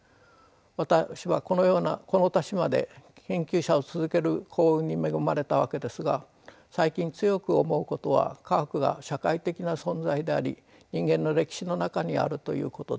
私はこのようなこの年まで研究者を続ける幸運に恵まれたわけですが最近強く思うことは科学が社会的な存在であり人間の歴史の中にあるということです。